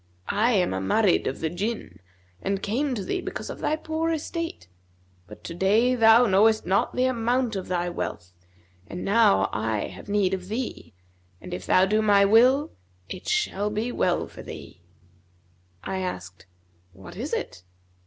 I am a Marid of the Jinn and came to thee because of thy poor estate; but today thou knowest not the amount of thy wealth; and now I have need of thee and if thou do my will, it shall be well for thee.' I asked, 'What is it?'